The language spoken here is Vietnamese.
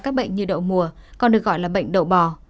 các bệnh như đậu mùa còn được gọi là bệnh đậu bò